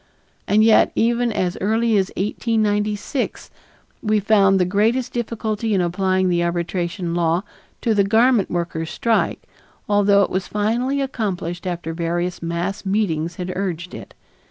And yet even as early as 1896, we found the greatest difficulty in applying the arbitration law to the garment workers' strike, although it was finally accomplished after various mass meetings had urged it.